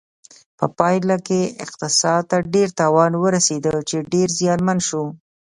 په پایله کې اقتصاد ته ډیر تاوان ورسېده چې ډېر زیانمن شو.